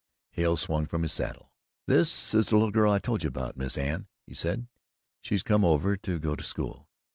Hale swung from his saddle. "This is the little girl I told you about, Miss Anne," he said. "She's come over to go to school."